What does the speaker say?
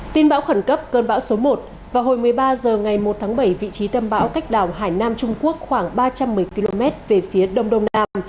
tin bão khẩn cấp cơn bão số một vào hồi một mươi ba h ngày một tháng bảy vị trí tâm bão cách đảo hải nam trung quốc khoảng ba trăm một mươi km về phía đông đông nam